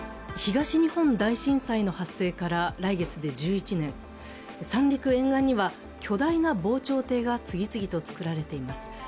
東日本大震災の発生から来月１１年、三陸沿岸には巨大な防潮堤が次々と造られています。